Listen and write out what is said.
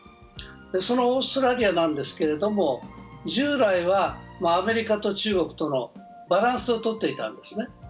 そのオーストラリアなんですけれども、従来はアメリカと中国とのバランスをとっていたんですね。